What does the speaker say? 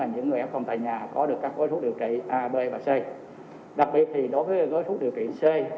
những người f tại nhà có được các khối thuốc điều trị a b và c đặc biệt đối với khối thuốc điều trị c